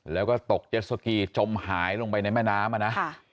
แล้วก็ตกเจ็ดสกีจมหายลงไปในแม่น้ำอ่ะนะ